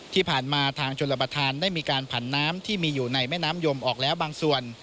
ที่ผ่านมาทางชนรับประทานได้มีการผันน้ำที่มีอยู่ในแม่น้ำยมออกแล้วบางส่วน